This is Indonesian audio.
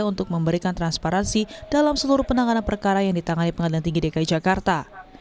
untuk memberikan transparansi dalam seluruh penanganan perkara yang ditangani pengadilan tinggi dki jakarta